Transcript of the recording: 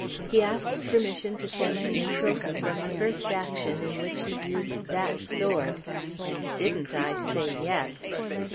He asked permission to send me a trophy from the first action in which he used "that" sword, and didn't I say yes!